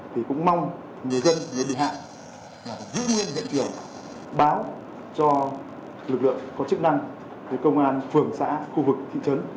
thì cũng mong người dân người địa hạng giữ nguyên dạng kiểu báo cho lực lượng có chức năng công an phường xã khu vực thị trấn